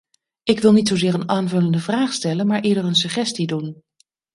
Ik wil niet zozeer een aanvullende vraag stellen maar eerder een suggestie doen.